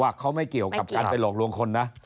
เขาไม่เกี่ยวกับการไปหลอกลวงคนนะ